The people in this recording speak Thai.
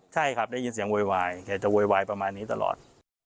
ใช่ครับได้ยินเสียงโวยวายแกจะโวยวายประมาณนี้ตลอด